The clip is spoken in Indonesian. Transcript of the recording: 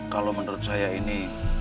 kalau menurut saya ini